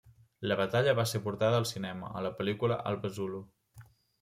La batalla va ser portada al cinema, a la pel·lícula Alba zulu.